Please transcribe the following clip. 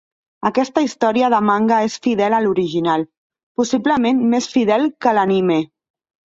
Aquesta història de manga és fidel a l'original, possiblement més fidel que l'anime.